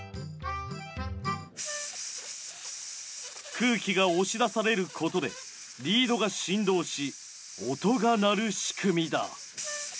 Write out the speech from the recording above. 空気が押し出されることでリードが振動し音が鳴る仕組みだ。